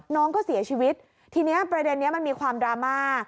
น้องก็เสียชีวิตทีนี้ประเด็นนี้มันมีความดราม่า